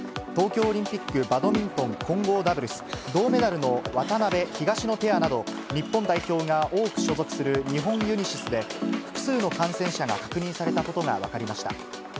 東京オリンピックバドミントン混合ダブルス銅メダルの渡辺・東野ペアなど日本代表が多く所属する日本ユニシスで、複数の感染者が確認されたことが分かりました。